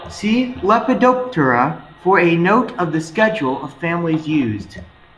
See Lepidoptera for a note of the schedule of families used.